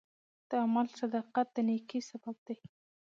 د عمل صداقت د نیکۍ سبب دی.